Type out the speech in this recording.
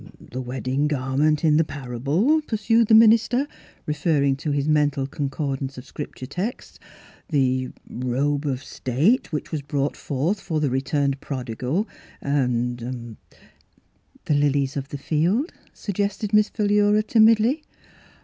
The wedding garment in the parable," pursued the minister, referring to his men tal concordance of Scripture texts. * The — ah — robe of state which was brought forth for the returned prodigal, and —"" The lilies of the field," suggested Miss Philura timidly.